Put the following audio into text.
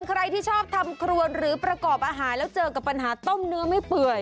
ใครที่ชอบทำครวนหรือประกอบอาหารแล้วเจอกับปัญหาต้มเนื้อไม่เปื่อย